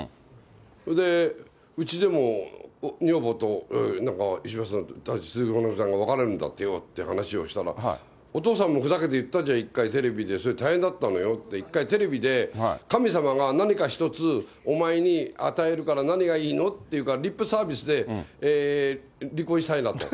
それで、うちでも女房と、なんか、石橋さん、鈴木保奈美さんが別れるんだってよっていう話をしたら、お父さんもふざけて言ったじゃん、一回、テレビで、それ、大変だったのよって、テレビで、神様が、何か一つお前に与えるから何がいいのって言うから、リップサービスで、離婚したいなと。